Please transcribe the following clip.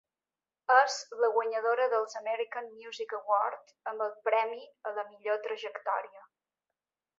És la guanyadora dels American Music Award amb el premi a la millor trajectòria.